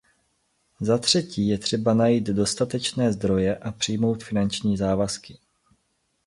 Zatřetí je třeba najít dostatečné zdroje a přijmout finanční závazky.